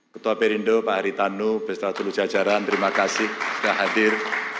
ketua perindo pak haritanu beserta seluruh jajaran terima kasih sudah hadir